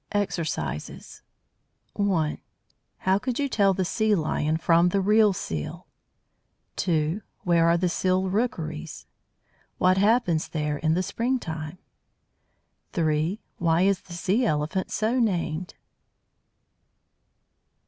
EXERCISES 1. How could you tell the Sea lion from the real Seal? 2. Where are the Seal "rookeries"? What happens there in the springtime? 3. Why is the Sea elephant so named?